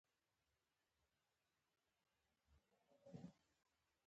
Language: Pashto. ما څو ځله هڅه وکړه چې هغه نجلۍ ووینم